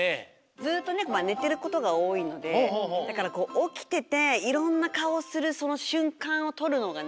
ずっとねねてることがおおいのでだからおきてていろんなかおをするそのしゅんかんをとるのがね。